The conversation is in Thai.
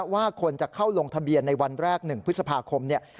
ว่าคนจะเข้าลงทะเบียนในวันแรก๑พฤษภาคมเนี่ย